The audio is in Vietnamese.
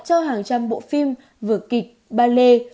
cho hàng trăm bộ phim vừa kịch ballet